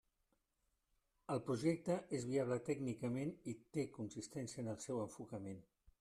El projecte és viable tècnicament i té consistència en el seu enfocament.